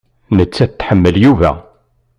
Nettat tḥemmel Yuba.